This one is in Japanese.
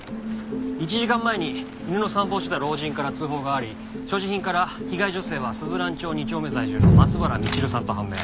１時間前に犬の散歩をしてた老人から通報があり所持品から被害女性は鈴蘭町２丁目在住の松原みちるさんと判明。